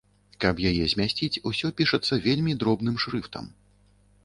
Каб яе змясціць, усё пішацца вельмі дробным шрыфтам.